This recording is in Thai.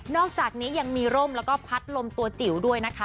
อกจากนี้ยังมีร่มแล้วก็พัดลมตัวจิ๋วด้วยนะคะ